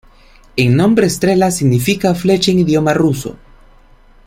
El nombre Strela significa "Flecha" en idioma ruso.